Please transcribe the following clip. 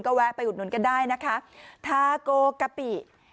แวะไปอุดหนุนกันได้นะคะทาโกกะปิ